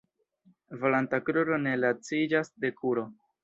Volanta kruro ne laciĝas de kuro.